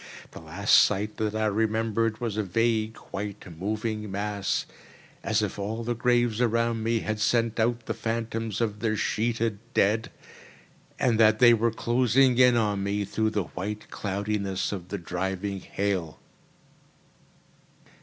The last sight that I remembered was a vague, white, moving mass, as if all the graves around me had sent out the phantoms of their sheeted dead, and that they were closing in on me through the white cloudiness of the driving hail.